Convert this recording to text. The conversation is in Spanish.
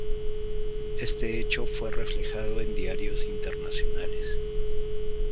Este hecho fue reflejado en diarios internacionales.